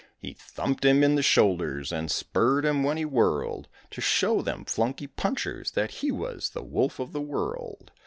He thumped him in the shoulders and spurred him when he whirled, To show them flunky punchers that he was the wolf of the world.